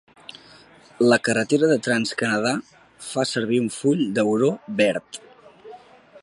La carretera de Trans Canadà fa servir un full d'auró verd.